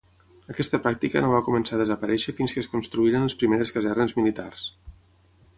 Aquesta pràctica no va començar a desaparèixer fins que es construïren les primeres casernes militars.